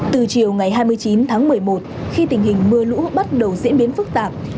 từ chiều ngày hai mươi chín tháng một mươi một khi tình hình mưa lũ bắt đầu diễn biến phức tạp